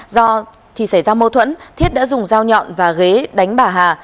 do thì xảy ra mâu thuẫn thiết đã dùng dao nhọn và ghế đánh bà hà